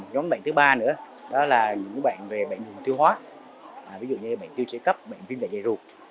nhóm bệnh thứ ba nữa đó là những bạn về bệnh thiêu hóa ví dụ như bệnh tiêu chảy cấp bệnh viêm đại dạy ruột